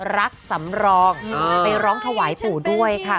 รักสำรองไปร้องถวายปู่ด้วยค่ะ